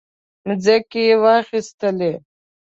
مځکې واخیستلې.